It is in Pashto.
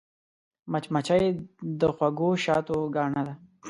مچمچۍ د خوږ شاتو ګاڼه ده